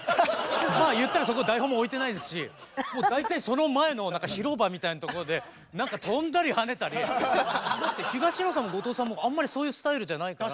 まあ言ったらそこ台本も置いてないですし大体その前の何か広場みたいなとこで何か跳んだり跳ねたりすごくて東野さんも後藤さんもあんまりそういうスタイルじゃないから。